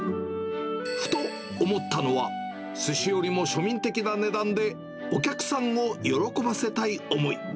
ふと思ったのは、すしよりも庶民的な値段で、お客さんを喜ばせたい思い。